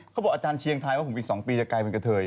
เขาบอกอาจารย์เชียงทายว่าผมอีก๒ปีจะกลายเป็นกระเทย